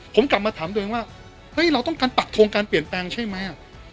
ผมกลับมาถามสิ่งที่เสร็จเราต้องการปักธงการเปลี่ยนแปลงใช่ไม๊